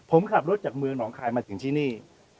ผมขับรถจากเมืองหนองคายมาถึงที่นี่